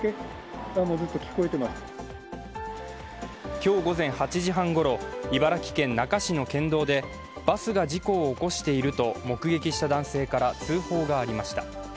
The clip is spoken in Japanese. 今日午前８時半ごろ、茨城県那珂市の県道でバスが事故を起こしていると目撃した男性から通報がありました。